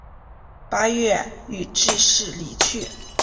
八月予致仕离去。